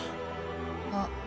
あっ。